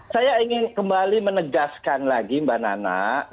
saya ingin kembali menegaskan lagi mbak nana